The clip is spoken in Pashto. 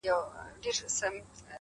• چي سترگو ته يې گورم ـ وای غزل لیکي ـ